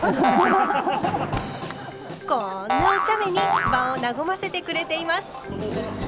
こんなおちゃめに場を和ませてくれています。